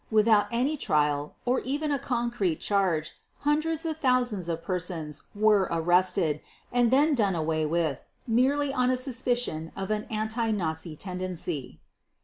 Without any trial or even a concrete charge hundreds of thousands of persons were arrested and then done away with merely on a suspicion of an anti Nazi tendency.